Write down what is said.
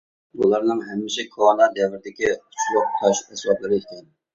بۇلارنىڭ ھەممىسى كونا دەۋردىكى ئۇچلۇق تاش ئەسۋابلىرى ئىكەن.